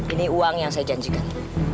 ini uang yang saya janjikan